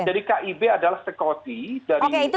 koalisi indonesia bersatu ini adalah spekulasi dari politik istana